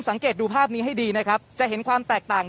สังเกตดูภาพนี้ให้ดีนะครับจะเห็นความแตกต่าง